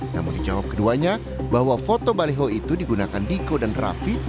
yang menjawab keduanya bahwa foto baliho itu digunakan diko dan rafi